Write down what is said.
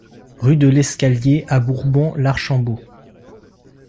Rue de l'Escalier à Bourbon-l'Archambault